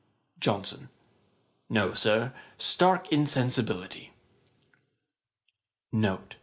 JOHNSON: 'No, Sir; stark insensibility.'